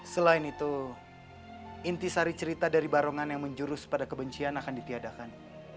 selain itu inti sari cerita dari barongan yang menjurus pada kebencian akan ditiadakan